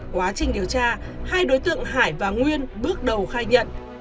quá trình điều tra hai đối tượng hải và nguyên bước đầu khai nhận